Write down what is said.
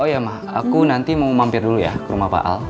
oh ya aku nanti mau mampir dulu ya ke rumah pak al